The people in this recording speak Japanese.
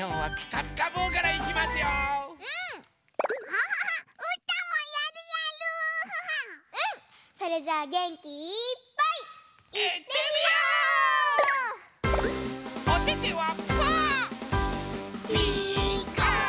「ピーカーブ！」